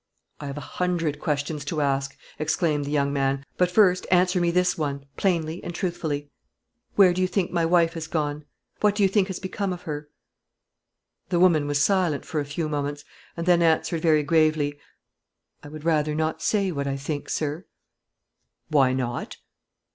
"I have a hundred questions to ask," exclaimed the young man; "but first answer me this one plainly and truthfully Where do you think my wife has gone? What do you think has become of her?" The woman was silent for a few moments, and then answered very gravely, "I would rather not say what I think, sir." "Why not?"